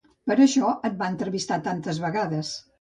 Per això et va entrevistar tantes vegades.